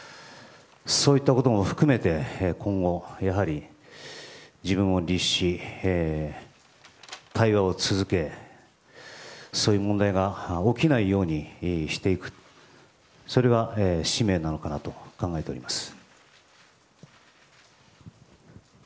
そういったことも含めて今後やはり自分を律し対話を続け、そういう問題が起きないようにしていくそれは使命なのかなと考えております。